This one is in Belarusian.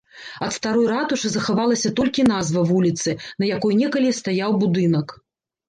Ад старой ратушы захавалася толькі назва вуліцы, на якой некалі стаяў будынак.